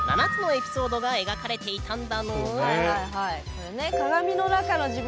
これね。